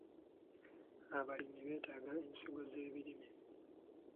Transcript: Abalimi beetaaga ensigo z'ebirime.